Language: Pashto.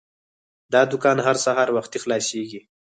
دا دوکان هر سهار وختي خلاصیږي.